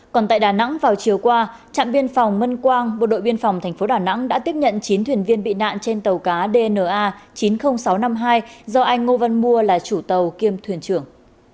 còn tại đà nẵng vào chiều qua trạm biên phòng mân quang bộ đội biên phòng tp đà nẵng đã tiếp nhận chín thuyền viên bị nạn trên tàu cá dna chín mươi nghìn sáu trăm năm mươi hai do anh ngô văn mua là chủ tàu kiêm thuyền trưởng